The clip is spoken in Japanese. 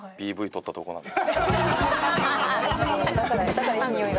だからいい匂い。